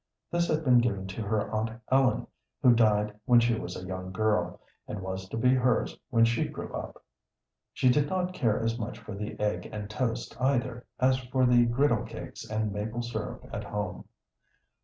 This had been given to her aunt Ellen, who died when she was a young girl, and was to be hers when she grew up. She did not care as much for the egg and toast either as for the griddle cakes and maple syrup at home.